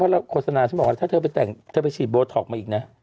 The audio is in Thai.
ผชานาธุมาถ้าเธอไปไปฉีดโบท็อกมาอีกนะ